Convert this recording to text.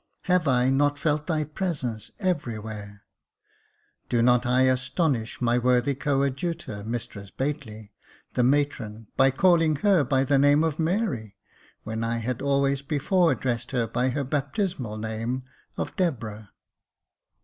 Have I not felt thy presence everywhere ? Do not I astonish my worthy coadjutor. Mistress Bately, the matron, by calling her by the name of Mary, when I had always before addressed her by her baptismal name of Deborah